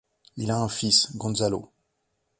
Il a un fils, Gonzalo.